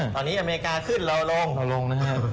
ตอนนี้อเมริกาขึ้นเราลง